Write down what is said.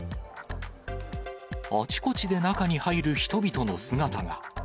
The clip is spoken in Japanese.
あちこちで中に入る人々の姿が。